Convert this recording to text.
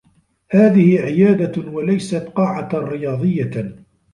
هذه عيادة و ليست قاعة رياضيّة.